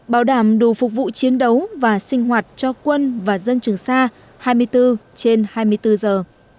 bảo đảm đủ phục vụ chiến đấu và sinh hoạt cho quân và dân trường sa hai mươi bốn trên hai mươi bốn giờ